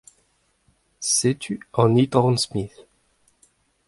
Setu an It. Smith.